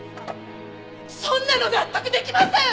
そんなの納得できません！